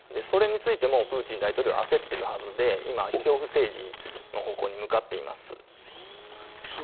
それについてもプーチン大統領は焦っているはずで今、恐怖政治の方向に向かっています。